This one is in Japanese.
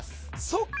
そっか